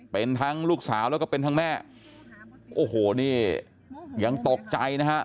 เป็นทั้งลูกสาวแล้วก็เป็นทั้งแม่โอ้โหนี่ยังตกใจนะฮะ